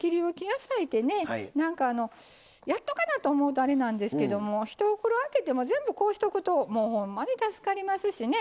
野菜ってねやっとかなと思うとあれなんですけども１袋開けても全部こうしとくとほんまに助かりますしね